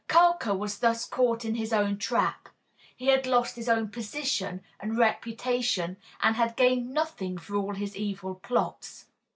Carker was thus caught in his own trap. He had lost his own position and reputation, and had gained nothing for all his evil plots.